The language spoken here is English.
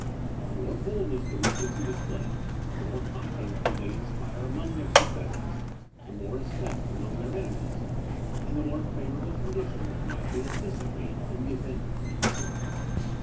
The more boldness the regency displayed, the more confidence would they inspire among their confederates, the more respect among their enemies, and the more favourable conditions might they anticipate in the event of peace.